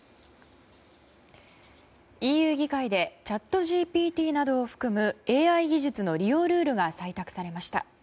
ＥＵ議会でチャットＧＰＴなどを含むＡＩ技術の利用ルールが採択されました。